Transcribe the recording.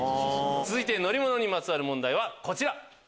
続いて乗り物にまつわる問題はこちら。